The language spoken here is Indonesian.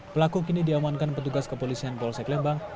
pelaku kini diamankan petugas kepolisian polsek lembang